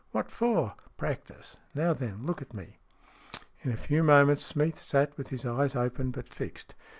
"What for?" " Practice. Now then, look at me." In a few moments Smeath sat with his eyes open, but fixed.